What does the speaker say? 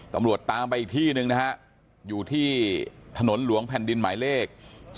ตำรวจตามไปอีกที่หนึ่งนะฮะอยู่ที่ถนนหลวงแผ่นดินหมายเลข๒